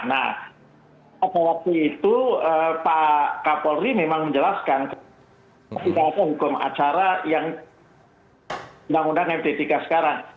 nah waktu itu pak kapolri memang menjelaskan tentang hukum acara yang diundang undang mp tiga sekarang